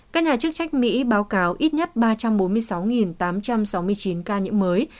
các nhà chức trách mỹ báo cáo ít nhất ba trăm bốn mươi sáu tám trăm sáu mươi chín ca nhiễm mới